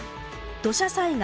「土砂災害」